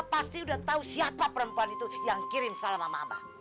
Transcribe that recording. pasti udah tahu siapa perempuan itu yang kirim salam sama mama abah